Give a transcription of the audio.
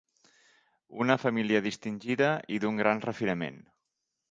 Una família distingida i d'un gran refinament.